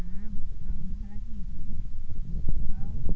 เขาก็ไม่ค่อยอยู่บ้านนะคะเพราะเขาต้องไปรับจ้างหวานภูมิ